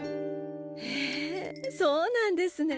へえそうなんですね！